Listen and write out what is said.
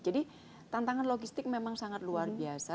jadi tantangan logistik memang sangat luar biasa